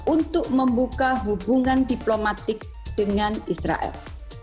untuk membuka hubungan diplomatik dengan israel